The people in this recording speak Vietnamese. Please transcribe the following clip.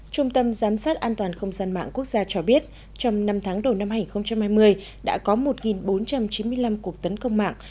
trung tâm giám sát an toàn không gian mạng quốc gia cho biết trong năm tháng đầu năm hai nghìn hai mươi đã có một bốn trăm chín mươi năm cuộc tấn công mạng